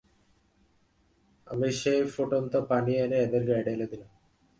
আমি সেই ফুটন্ত পানি এনে এদের গায়ে ঢেলে দিলাম।